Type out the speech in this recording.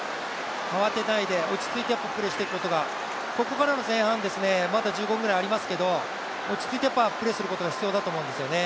慌てないで、落ち着いてプレーしていくことが、ここからの前半、まだ１５分ぐらいありますけど落ち着いてプレーすることが必要だと思うんですよね。